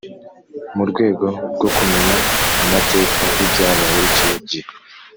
Mu rwego rwo kumenya amateka y’ibyabaye icyo gihe